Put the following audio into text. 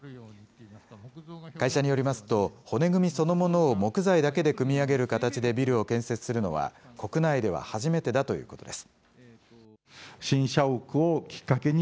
会社によりますと、骨組みそのものを木材だけで組み上げる形でビルを建設するのは、国内では初めてだということです。